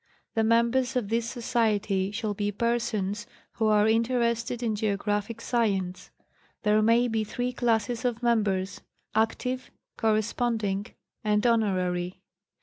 The members of this Society shall be persons who are interested in geographic science. There may be three classes of members, active, corresponding, and honorary.